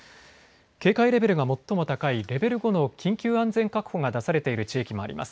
警戒レベルが最も高いレベル５の緊急安全確保が出されている地域もあります。